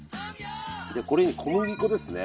これに小麦粉ですね。